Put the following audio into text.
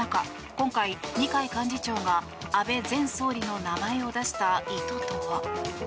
今回、二階幹事長が安倍前総理の名前を出した意図とは。